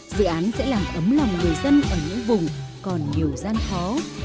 dự án sẽ làm ấm lòng người dân ở những vùng còn nhiều gian khó